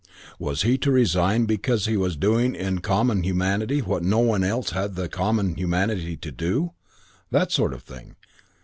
Was he to resign because he was doing in common humanity what no one else had the common humanity to do? That sort of thing.